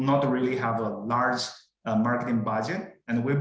dan kita percaya dengan jelas dan juga memberikan keuntungan kepada pengguna akhirnya